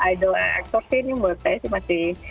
idol dan aktor sih ini menurut saya sih masih